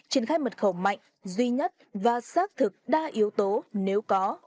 triển khai mật khẩu mạnh duy nhất và xác thực đa yếu tố nếu có